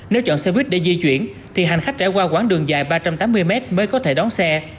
nếu chọn xe buýt để di chuyển thì hành khách trải qua quãng đường dài ba trăm tám mươi mét mới có thể đón xe